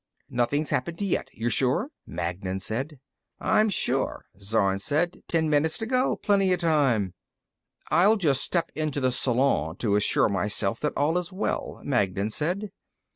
"Nothing's happened yet, you're sure?" Magnan said. "I'm sure," Zorn said. "Ten minutes to go. Plenty of time." "I'll just step into the salon to assure myself that all is well," Magnan said.